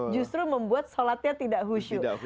justru membuat solatnya tidak khusyuk